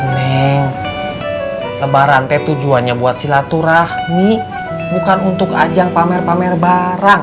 nih lebaran teh tujuannya buat silaturahmi bukan untuk ajang pamer pamer barang